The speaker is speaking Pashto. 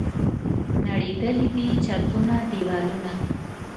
نړېدلي دي چتونه، دیوالونه